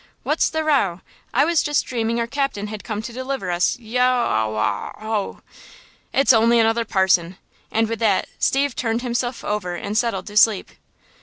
"What's the row? I was just dreaming our captain had come to deliver us–yow aw aw ooh! It's only another parson!" and with that Steve turned himself over and settled to sleep.